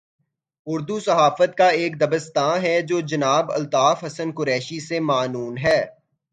اردو صحافت کا ایک دبستان ہے جو جناب الطاف حسن قریشی سے معنون ہے۔